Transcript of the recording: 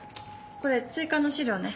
これ追加の資料ね。